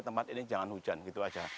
tempat ini jangan hujan gitu aja